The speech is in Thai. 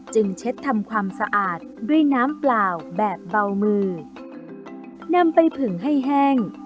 เช็ดทำความสะอาดด้วยน้ำเปล่าแบบเบามือนำไปผึงให้แห้ง